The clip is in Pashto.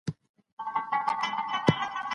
هرومرو به هغوی ته د نيکو اعمالو بدله ورکړو.